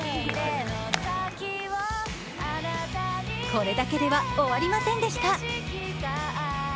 これだけでは終わりませんでした。